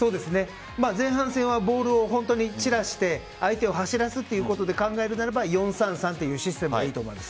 前半戦はボールを散らして相手を走らせるということで考えるならば４−３−３というシステムがいいと思います。